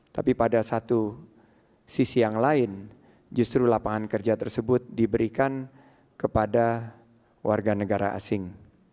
tapi pada satu sisi yang lain justru lapangan kerja tersebut diberikan kepada warga negara asing